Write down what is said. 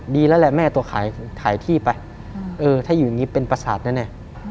ดีแล้วแหละแม่ตัวขายที่ไปเออถ้าอยู่อย่างนี้เป็นประสาทแน่